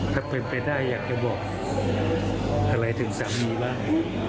ถ้าเป็นไปได้อยากจะบอกอะไรถึงสามีบ้าง